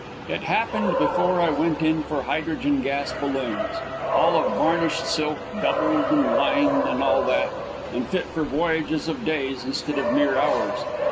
It happened before I went in for hydrogen gas balloons, all of varnished silk, doubled and lined, and all that, and fit for voyages of days instead of mere hours.